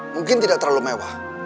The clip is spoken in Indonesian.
mungkin tidak terlalu mewah